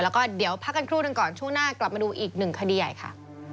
แล้วก็เดี๋ยวพักกันครู่หนึ่งก่อนช่วงหน้ากลับมาดูอีกหนึ่งคดีใหญ่ค่ะ